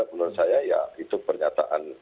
menurut saya ya itu pernyataan